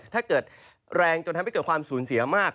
ถ้าเกิดแรงจนทำให้เกิดความสูญเสียมาก